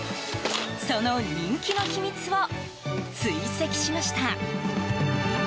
その人気の秘密を追跡しました。